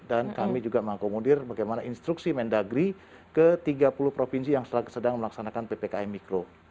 dan kami juga mengakomodir bagaimana instruksi mendagri ke tiga puluh provinsi yang sedang melaksanakan ppki mikro